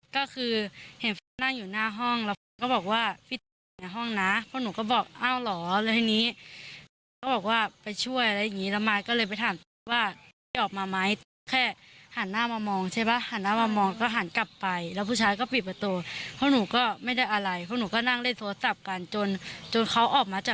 แล้วหนูกับมายก็เลยเดินตามไปแล้วมายก็ถามว่า